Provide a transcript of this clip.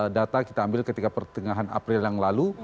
data kita ambil ketika pertengahan april yang lalu